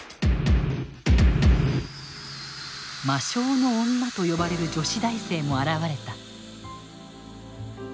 魔性の女と呼ばれる女子大生も現れた。